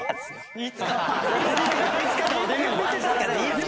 いつか。